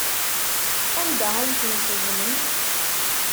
Anda ay tent-teẓẓmemt?